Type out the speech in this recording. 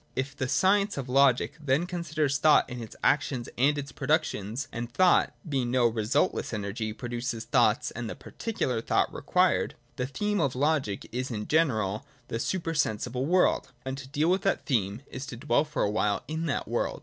If the science of Logic then considers thought in its action and its productions (and thought being no resultless energy produces thoughts and the particular thought required), the theme of Logic is in general the supersensible world, and to deal with that theme is to dwell for a while in that world.